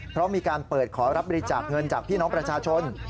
เพราะมีการเปิดขอรับบริจาคเงินจากพี่น้องประชาชน